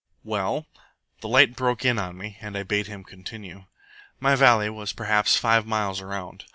"Well?" The light broke in on me, and I bade him continue. "My valley was perhaps five miles around.